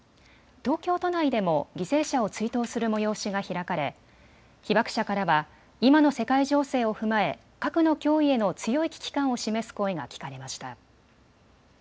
東京都内でも犠牲者を追悼する催しが開かれ被爆者からは今の世界情勢を踏まえ核の脅威への強い危機感を示す声が聞かれました。